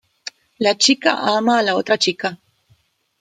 La chica ama a la otra chica.